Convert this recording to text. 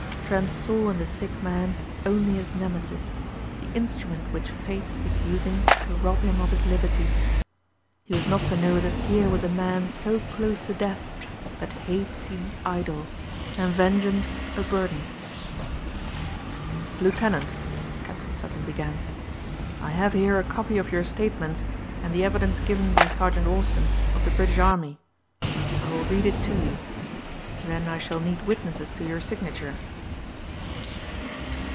Trent saw in the sick man only his nemesis, the instrument which fate was using to rob him of his liberty. He was not to know that here was a man so close to death that hate seemed idle and vengeance a burden. "Lieutenant," Captain Sutton began, "I have here a copy of your statements and the evidence given by Sergeant Austin of the British army. I will read it to you. Then I shall need witnesses to your signature."